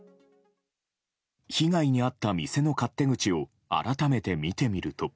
被害に遭った店の勝手口を改めて見てみると。